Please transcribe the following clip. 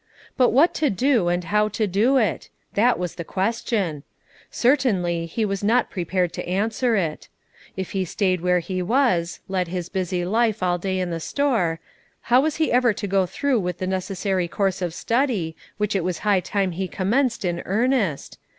But what to do, and how to do it? That was the question. Certainly he was not prepared to answer it. If he stayed where he was, led his busy life all day in the store, how was he ever to go through with the necessary course of study, which it was high time he commenced in earnest?